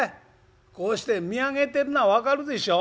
こうして見上げてんのは分かるでしょ」。